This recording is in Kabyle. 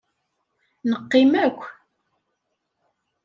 Neqqim akk.